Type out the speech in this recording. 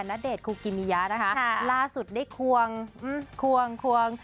ณเดชนคุกิมิยะนะคะล่าสุดได้ควงควงควง